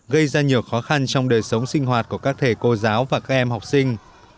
gây ra nhiều khó khăn trong đời sống sinh hoạt của các thầy cô giáo và các em học sinh